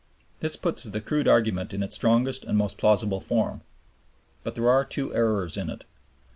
This puts the crude argument in its strongest and most plausible form. But there are two errors in it.